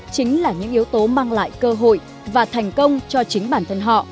chính là những yếu tố mang lại cơ hội và thành công cho chính bản thân họ